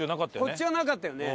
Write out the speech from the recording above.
こっちはなかったよね。